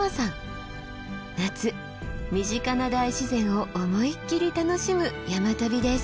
夏身近な大自然を思いっきり楽しむ山旅です。